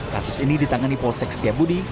kasus ini ditangani polsek setiabudi